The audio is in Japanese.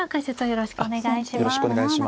よろしくお願いします。